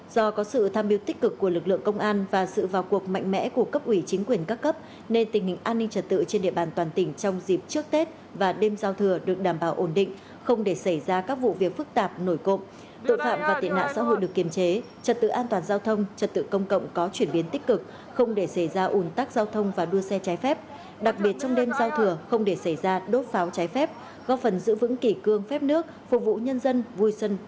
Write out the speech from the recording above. do có sự tham biểu tích cực của lực lượng công an và sự vào cuộc mạnh mẽ của cấp ủy chính quyền các cấp nên tình hình an ninh trật tự trên địa bàn toàn tỉnh trong dịp trước tết và đêm giao thừa được đảm bảo ổn định không để xảy ra các vụ việc phức tạp nổi cộng tội phạm và tiện hạ xã hội được kiềm chế trật tự an toàn giao thông trật tự công cộng có chuyển biến tích cực không để xảy ra ủn tắc giao thông và đua xe trái phép đặc biệt trong đêm giao thừa không để xảy ra đốt pháo trái phép góp phần giữ v